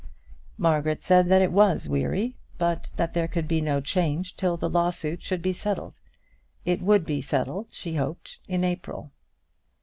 Margaret said that it was weary, but that there could be no change till the lawsuit should be settled. It would be settled, she hoped, in April.